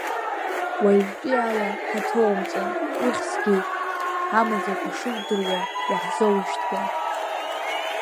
Уажәтәиала, ҳаҭоумҵан, уххьазгеит, ҳамаӡақәа шудыруа уаҳзоужьҭуам.